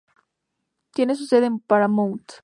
Tiene su sede en Paramount.